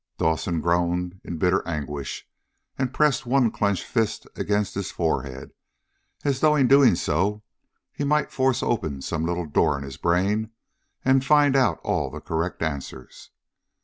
Dawson groaned in bitter anguish and pressed one clenched fist against his forehead, as though in so doing he might force open some little door in his brain, and find out all the correct answers.